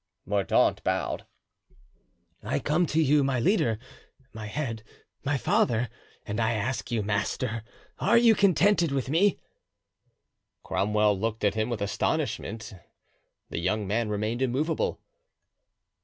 Mordaunt bowed. "I come to you, my leader, my head, my father, and I ask you, master, are you contented with me?" Cromwell looked at him with astonishment. The young man remained immovable.